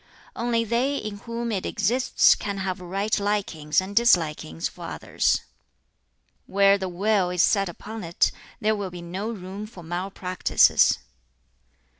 "Only they in whom it exists can have right likings and dislikings for others. "Where the will is set upon it, there will be no room for malpractices.